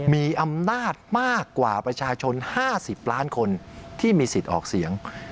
มีอำนาจมากกว่าประชาชน๕๐ล้านคนที่มีสิทธิ์ออกเสียง